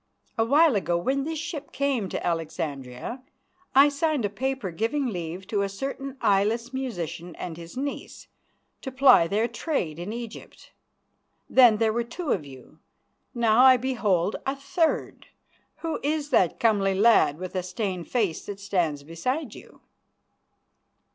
A while ago, when this ship came to Alexandria, I signed a paper giving leave to a certain eyeless musician and his niece to ply their trade in Egypt. Then there were two of you; now I behold a third. Who is that comely lad with a stained face that stands beside you?"